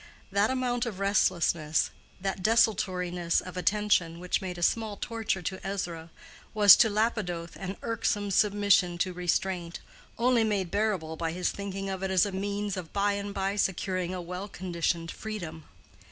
That amount of restlessness, that desultoriness of attention, which made a small torture to Ezra, was to Lapidoth an irksome submission to restraint, only made bearable by his thinking of it as a means of by and by securing a well conditioned freedom.